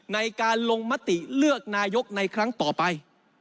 ในการลงมติเลือกนายกในครั้งต่อไป